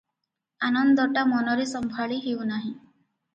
ଆନନ୍ଦଟା ମନରେ ସମ୍ଭାଳି ହେଉ ନାହିଁ ।